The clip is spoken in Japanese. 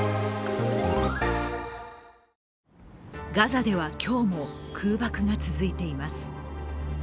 ガザでは今日も空爆が続いています。